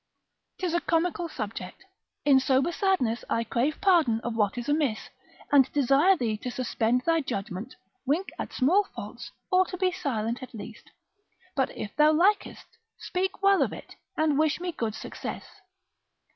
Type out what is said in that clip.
'Tis a comical subject; in sober sadness I crave pardon of what is amiss, and desire thee to suspend thy judgment, wink at small faults, or to be silent at least; but if thou likest, speak well of it, and wish me good success.